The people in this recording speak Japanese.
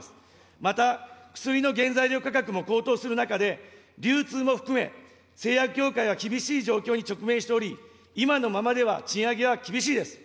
また、薬の原材料価格も高騰する中で、流通も含め、製薬業界は厳しい状況に直面しており、今のままでは賃上げは厳しいです。